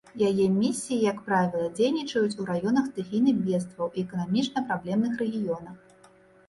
Яе місіі, як правіла, дзейнічаюць у раёнах стыхійных бедстваў і эканамічна праблемных рэгіёнах.